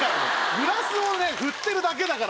グラスを振ってるだけだから！